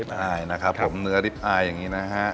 ลิฟต์ไอล์นะครับผมเนื้อลิฟต์ไอล์อย่างนี้นะฮะ